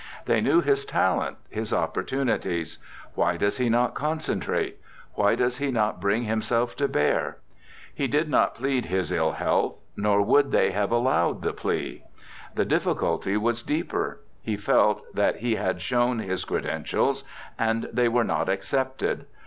They knew his talent, his opportunities. Why does he not concentrate? Why does he not bring himself to bear? He did not plead his ill health; nor would they have allowed the plea. The difficulty was deeper. He felt that he had shown his credentials, and they were not accepted.